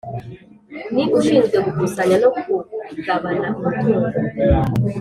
Ni ushinzwe gukusanya no kugabana umutungo